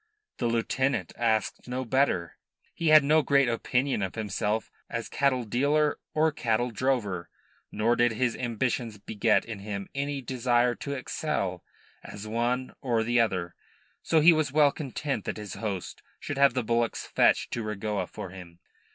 The lieutenant asked no better. He had no great opinion of himself either as cattle dealer or cattle drover, nor did his ambitions beget in him any desire to excel as one or the other. So he was well content that his host should have the bullocks fetched to Regoa for him.